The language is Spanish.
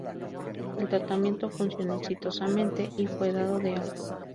El tratamiento funcionó exitosamente y fue dado de alta.